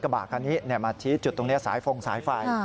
กระบะคันนี้มาชี้จุดตรงนี้สายฟงสายไฟ